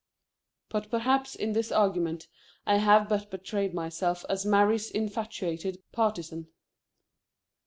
But perhaps in this argument I have but betrayed myself as Mary's infatuated partisan.